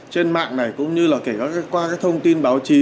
trên mạng này cũng như là kể qua thông tin báo chí